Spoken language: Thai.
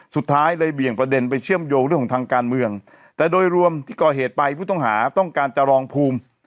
สุดท้ายเลยเบี่ยงประเด็นไปเชื่อมโยงเรื่องของทางการเมืองแต่โดยรวมที่ก่อเหตุไปผู้ต้องหาต้องการจะรองภูมิ